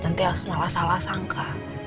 nanti elsa malah salah sangka